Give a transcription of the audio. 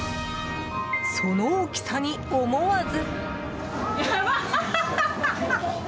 その大きさに思わず。